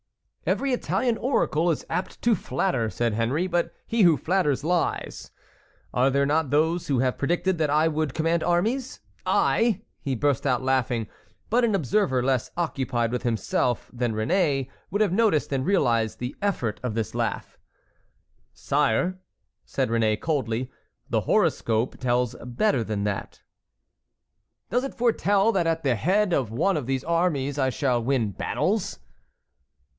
"Every Italian oracle is apt to flatter," said Henry; "but he who flatters lies. Are there not those who have predicted that I would command armies? I!" He burst out laughing. But an observer less occupied with himself than Réné would have noticed and realized the effort of this laugh. "Sire," said Réné, coldly, "the horoscope tells better than that." "Does it foretell that at the head of one of these armies I shall win battles?"